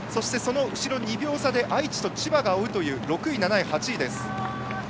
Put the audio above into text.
その２秒差で愛知千葉が追うという６位、７位、８位です。